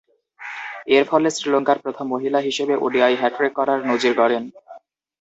এরফলে শ্রীলঙ্কার প্রথম মহিলা হিসেবে ওডিআই হ্যাট্রিক করার নজির গড়েন।